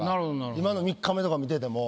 今の「三日目」とか見てても。